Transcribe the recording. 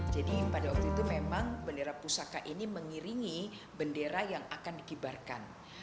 jadi pada waktu itu memang bandara pusaka ini mengiringi bandara yang akan dikibarkan